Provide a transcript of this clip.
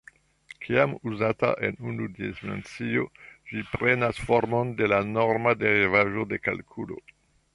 Kiam uzata en unu dimensio, ĝi prenas formon de la norma derivaĵo de kalkulo.